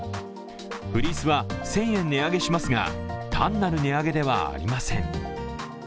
フリースは１０００円値上げしますが単なる値上げではありません。